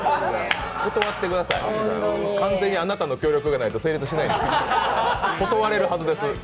断ってください、完全にあなたの協力がないと成立しないんです、断れるはずです。